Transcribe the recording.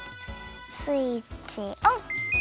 スイッチオン！